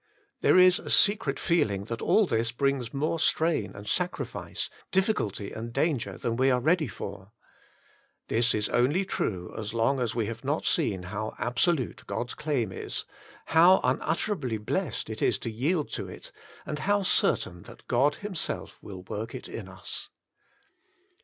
There is a secret feeling that aU this brings more strain and sacrifice, difficulty and danger, than we are ready for. This is only true as long '\'a 36 The Inner Chamber as we have not seen how absolute God's claim is, how unutterably blessed it is to yield to it, and how certain that God Himself will work it in us.